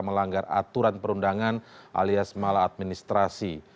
melanggar aturan perundangan alias malah administrasi